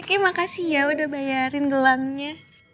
oke makasih ya udah bayarin gelangnya